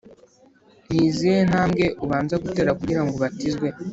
Nizihe ntambwe ubanza gutera kugira ngo ubatizwe